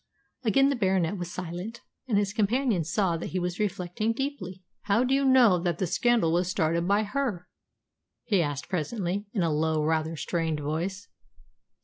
Again the Baronet was silent, and his companion saw that he was reflecting deeply. "How do you know that the scandal was started by her?" he asked presently, in a low, rather strained voice.